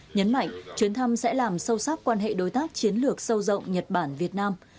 nhấn mạnh chuyến thăm sẽ làm sâu sắc quan hệ đối tác chiến lược sâu rộng nhật bản việt nam